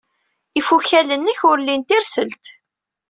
Ifukal-nnek ur lin tirselt.